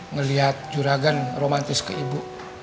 ngelihat juragan romantis ke ibu